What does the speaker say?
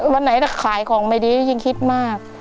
วันไหนถ้าขายของไม่ดียิ่งคิดมาก